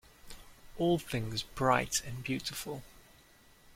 All things bright and beautiful.